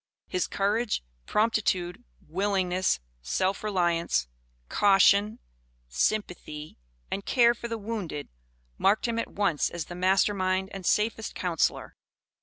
His courage, promptitude, willingness, self reliance, caution, sympathy, and care for the wounded, marked him at once as the master mind and safest counsellor.